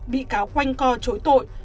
bị cáo quanh co chối tội